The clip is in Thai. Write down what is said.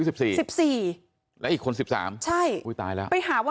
บอเร็วอ้าวน้ำเราบอ